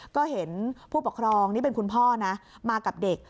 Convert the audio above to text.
ก็เห็นผู้ปกครองนี่เป็นคุณพ่อนะมากับเด็ก